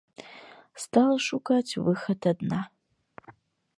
Стала шукаць выхад адна.